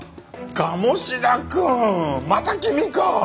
鴨志田くんまた君か！